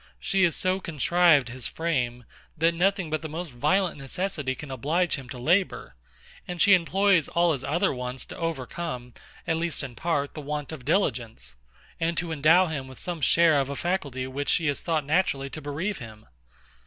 She has so contrived his frame, that nothing but the most violent necessity can oblige him to labour; and she employs all his other wants to overcome, at least in part, the want of diligence, and to endow him with some share of a faculty of which she has thought fit naturally to bereave him.